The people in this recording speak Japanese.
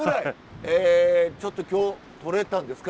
ちょっと今日とれたんですか？